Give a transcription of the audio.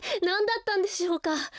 なんだったんでしょうか。